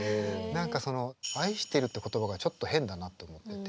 何かその愛してるって言葉がちょっと変だなって思ってて。